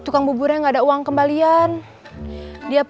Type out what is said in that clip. kemudian tinggal lisanan